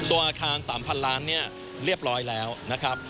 ตัวอาคาร๓๐๐ล้านเนี่ยเรียบร้อยแล้วนะครับ